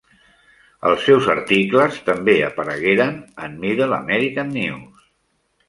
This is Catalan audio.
Els seus articles també aparegueren en "Middle American News".